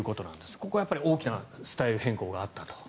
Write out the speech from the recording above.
ここは大きなスタイル変更があったと。